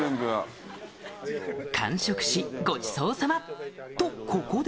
完食し、ごちそうさま。と、ここで。